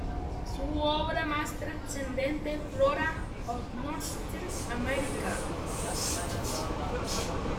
Su obra más trascendente Flora of Northwest America.